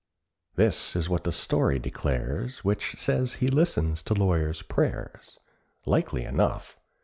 This is what the story declares, Which says he listens to lawyers' prayers. Likely enough!